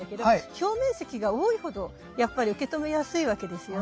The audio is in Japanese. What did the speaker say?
表面積が多いほどやっぱり受け止めやすいわけですよね。